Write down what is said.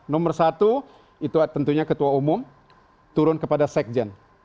nomor satu itu tentunya ketua umum turun kepada sekjen